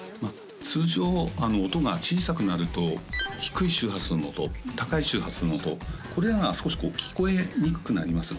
通常音が小さくなると低い周波数の音高い周波数の音これらが少し聴こえにくくなります